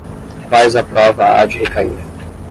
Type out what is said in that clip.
quais a prova há de recair